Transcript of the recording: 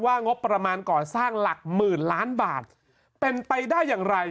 งบประมาณก่อสร้างหลักหมื่นล้านบาทเป็นไปได้อย่างไร